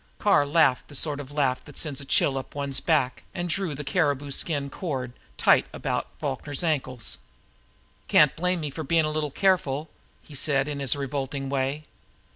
Carr laughed the sort of laugh that sends a chill up one's back, and drew the caribou skin cord tight about Falkner's ankles. "Can't blame me for being a little careful," he said in his revolting way.